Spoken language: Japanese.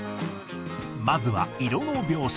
まずは色の描写。